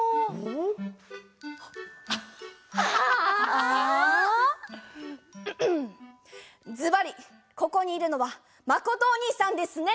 んんっずばりここにいるのはまことおにいさんですね！